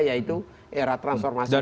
yaitu era transformasi digital